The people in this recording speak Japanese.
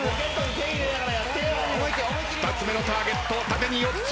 ２つ目のターゲット縦に４つ。